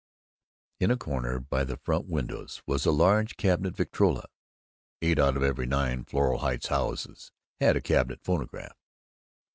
In a corner by the front windows was a large cabinet Victrola. (Eight out of every nine Floral Heights houses had a cabinet phonograph.)